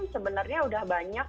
sebenarnya udah banyak